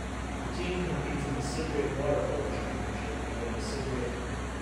The team competes in the Cypriot Water polo Championship and in the Cypriot Cup.